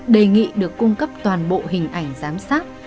đề nghị được cung cấp toàn bộ hình ảnh giám sát